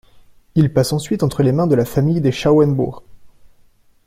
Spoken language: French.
Il passe ensuite entre les mains de la famille des Schauenbourg.